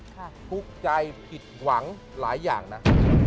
ทุกข์ใจผิดหวังหลายอย่างนะ